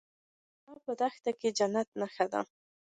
دا په دښته کې د جنت نښه ده.